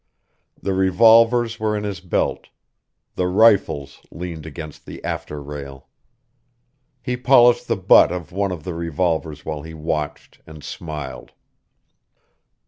The revolvers were in his belt; the rifles leaned against the after rail. He polished the butt of one of the revolvers while he watched and smiled....